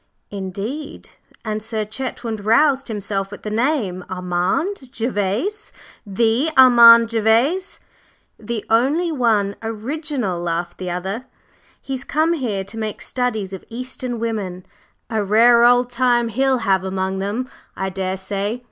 "Indeed!" and Sir Chetwynd roused himself at the name "Armand Gervase! The Armand Gervase?" "The only one original," laughed the other. "He's come here to make studies of Eastern women. A rare old time he'll have among them, I daresay!